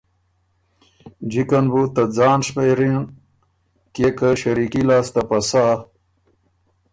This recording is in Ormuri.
جکه ن بُو ته ځان شمېرېن کيې که ݭریکي لاسته پسَۀ